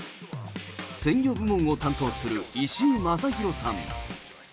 鮮魚部門を担当する石井正大さん。